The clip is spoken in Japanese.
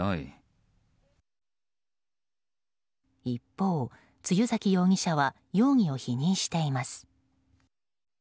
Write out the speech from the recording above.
一方、露崎容疑者は容疑を否認しています。